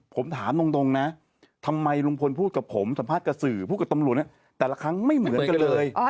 ผมถามตรงนะทำไมลุงพลพูดกับผมสัมภาษณ์กับสื่อพูดกับตำรวจแต่ละครั้งไม่เหมือนกันเลย